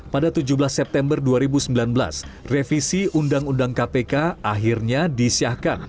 pada tujuh belas september dua ribu sembilan belas revisi undang undang kpk akhirnya disiahkan